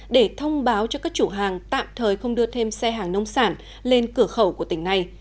để thông báo cho các chủ hàng tạm thời không đưa thêm xe hàng nông sản lên cửa khẩu của tỉnh này